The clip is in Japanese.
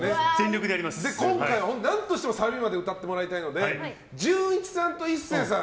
今回は何としてもサビまで歌ってもらいたいので純一さんと壱成さん